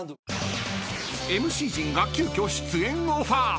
［ＭＣ陣が急きょ出演オファー］